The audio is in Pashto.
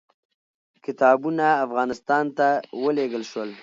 کتابونه افغانستان ته ولېږل شول.